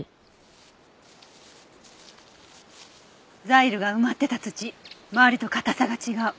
ザイルが埋まってた土周りと硬さが違う。